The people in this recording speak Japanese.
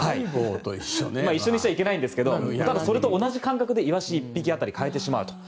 一緒にしちゃいけないんですがただ、それと同じ感覚でイワシ１匹当たり買えてしまうと。